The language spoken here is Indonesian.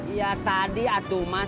iya tadi aduh mas